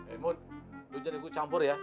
eh mut lo jadi gue campur ya